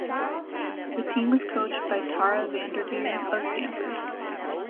The team was coached by Tara VanDerveer of Stanford.